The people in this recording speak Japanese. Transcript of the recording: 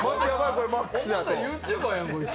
これ、ＹｏｕＴｕｂｅｒやんけ、こいつ。